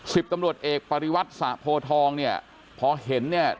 สิบตำรวจเอกปริวัติสะโพทองเนี่ยพอเห็นเนี่ย